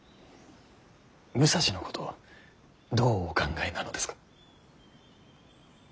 武蔵のことどうお考えなのですか。